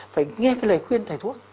phải nghe cái lời khuyên thầy thuốc